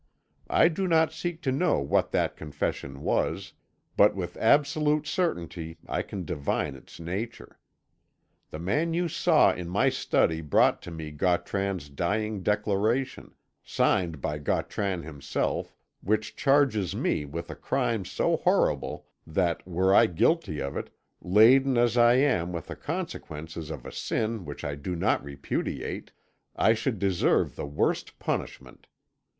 I do not seek to know what that confession was, but with absolute certainty I can divine its nature. The man you saw in my study brought to me Gautran's dying declaration, signed by Gautran himself, which charges me with a crime so horrible that, were I guilty of it, laden as I am with the consequences of a sin which I do not repudiate, I should deserve the worst punishment.